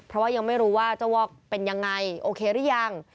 เพราะว่ายังไม่รู้ว่าเจ้าวอกเป็นยังไงโอเคหรือยัง